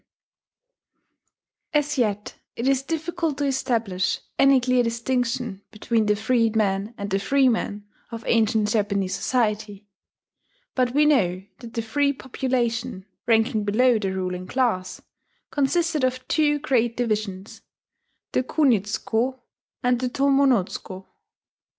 ] As yet it is difficult to establish any clear distinction between the freedmen and the freemen of ancient Japanese society; but we know that the free population, ranking below the ruling class, consisted of two great divisions: the kunitsuko and the tomonotsuko.